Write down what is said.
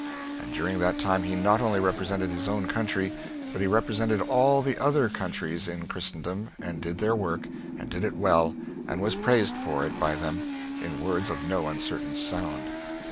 And during that time he not only represented his own country, but he represented all the other countries in Christendom and did their work, and did it well and was praised for it by them in words of no uncertain sound.